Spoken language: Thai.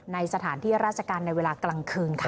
ในสถานที่ราชการในเวลากลางคืนค่ะ